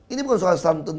ini bukan soal santun